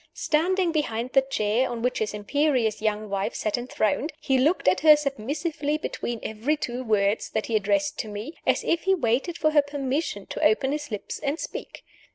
Standing behind the chair on which his imperious young wife sat enthroned, he looked at her submissively between every two words that he addressed to me, as if he waited for her permission to open his lips and speak.